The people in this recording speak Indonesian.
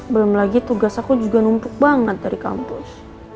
belum lagi tugas aku juga numpuk banget dari kampus